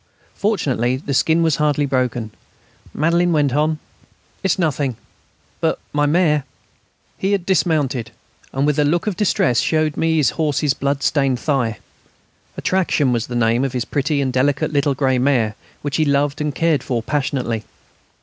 Fortunately the skin was hardly broken. Madelaine went on: "It's nothing; ... but my mare...." He had dismounted, and with a look of distress showed me his horse's blood stained thigh. "Attraction" was the name of his pretty and delicate little grey mare, which he loved and cared for passionately.